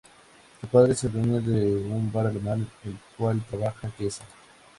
Su padre es el dueño de un bar alemán en el cual trabaja Jesse.